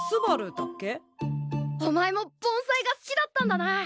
お前も盆栽が好きだったんだな！